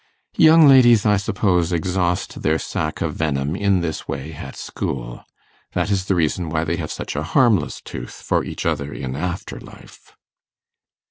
Young ladies, I suppose, exhaust their sac of venom in this way at school. That is the reason why they have such a harmless tooth for each other in after life.